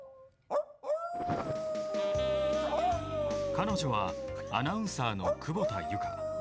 彼女はアナウンサーの久保田祐佳。